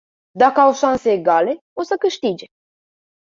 Dacă au șanse egale, o să câștige.